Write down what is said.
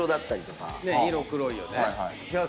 色黒いよね。